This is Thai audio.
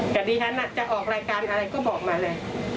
แต่ดิฉันจะออกรายการอะไรก็บอกมาเลย